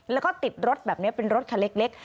แล้วก็ติดรถแบบนี้เป็นรถคันเล็ก